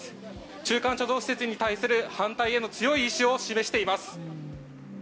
中間貯蔵施設に対する、反対への強い意志を示しています。